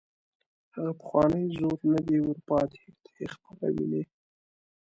هغه پخوانی زور نه دی ور پاتې، ته یې خپله ویني.